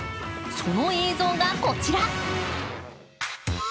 その映像がこちら。